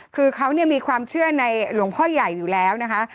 คือเขามีความเชื่อในหลวงพ่อใหญ่อยู่แล้วนะคะ